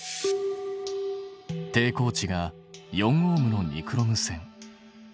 抵抗値が４Ωのニクロム線。